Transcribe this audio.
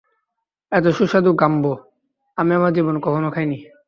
এত সুস্বাদু গাম্বো আমি আমার জীবনে কখনো খাইনি!